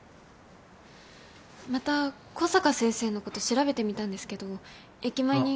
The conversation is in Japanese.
また小坂先生のこと調べてみたんですけど駅前に。